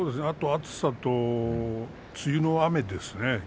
暑さと梅雨の雨ですね。